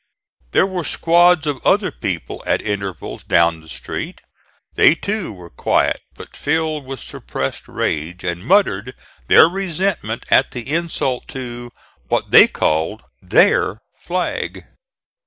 There were squads of other people at intervals down the street. They too were quiet but filled with suppressed rage, and muttered their resentment at the insult to, what they called, "their" flag.